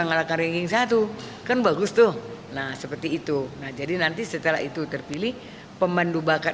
ngalahkan ranking satu kan bagus tuh nah seperti itu nah jadi nanti setelah itu terpilih pemandu bakat